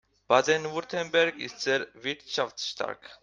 Baden-Württemberg ist sehr wirtschaftsstark.